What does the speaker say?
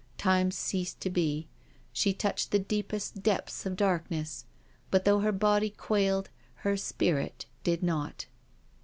Time ceased to be. She touched the deepest depths of darkness. But though her body quailed, her spirit did not.